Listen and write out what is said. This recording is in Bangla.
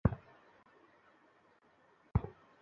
সে তোমার সাথে থাকে নাকি অন্য কারো সাথে।